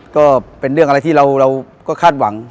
ก็เป็นเรื่องอะไรที่เราก็คาดหวัง